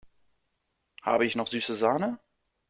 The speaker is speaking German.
Habe ich noch süße Sahne?